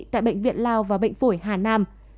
tại bệnh viện lao và bệnh phổi hà nam